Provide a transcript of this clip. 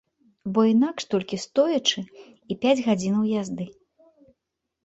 Бо інакш толькі стоячы і пяць гадзінаў язды.